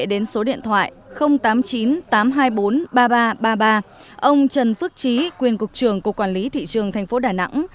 đến số điện thoại tám mươi chín tám trăm hai mươi bốn ba nghìn ba trăm ba mươi ba ông trần phước trí quyền cục trưởng cục quản lý thị trường tp đà nẵng